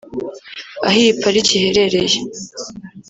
aho iyi Pariki iherereye